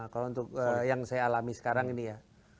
kalau untuk yang saya alami sekarang ini ya